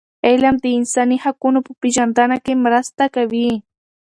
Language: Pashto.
علم د انساني حقونو په پېژندنه کي مرسته کوي.